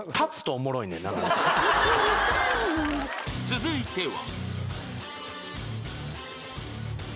［続いては］